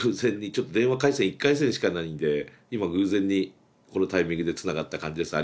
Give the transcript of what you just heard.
ちょっと電話回線１回線しかないんで今偶然にこのタイミングでつながった感じです。